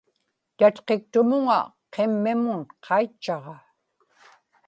tatkiktumuŋa qimmimun qaitchaġa